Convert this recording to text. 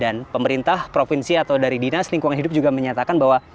dan pemerintah provinsi atau dari dinas lingkungan hidup juga menyatakan bahwa